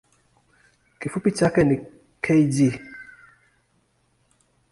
Kifupi chake ni kg.